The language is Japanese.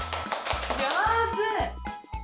上手。